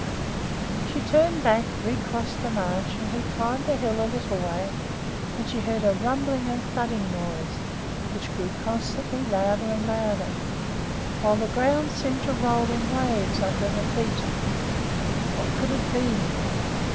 She turned back, recrossed the marsh, and had climbed the hill a little way when she heard a rumbling and thudding noise, which grew constantly louder and louder, while the ground seemed to roll in waves under her feet. What could it be?